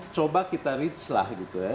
coba kita reach lah gitu ya